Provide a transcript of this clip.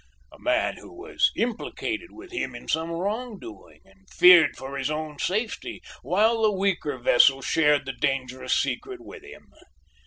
"A man who was implicated with him in some wrong doing and feared for his own safety while the weaker vessel shared the dangerous secret with him.